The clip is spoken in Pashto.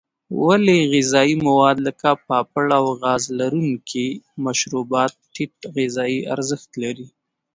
ولې غذایي مواد لکه پاپړ او غاز لرونکي مشروبات ټیټ غذایي ارزښت لري.